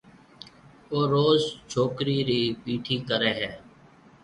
او روز ڇوڪرِي رَي پيِٺي ڪرَي ھيََََ